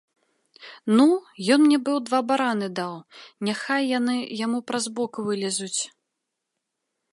Ну, ён мне быў два бараны даў, няхай яны яму праз бок вылезуць.